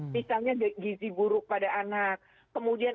misalnya gizi buruk pada anak kemudian